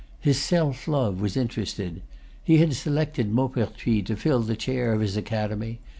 His self love was interested. He had selected Maupertuis to fill the chair of his Academy.